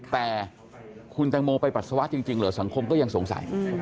แต่คุณแตงโมไปปัสสาวะจริงเหรอสังคมก็ยังสงสัย